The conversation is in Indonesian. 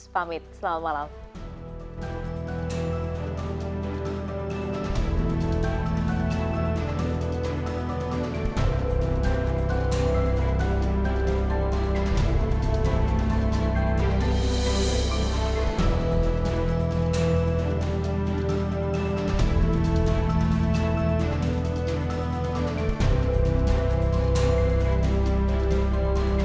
pamit selamat malam